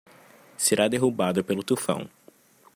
Será derrubado pelo tufão